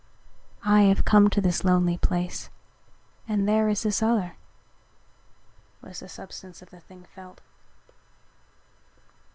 "I have come to this lonely place and here is this other," was the substance of the thing felt.